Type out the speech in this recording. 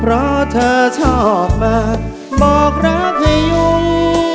เพราะเธอชอบมากบอกรักให้ยุ่ง